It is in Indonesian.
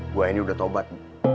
gua ini udah tobat